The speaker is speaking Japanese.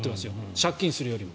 借金するよりも。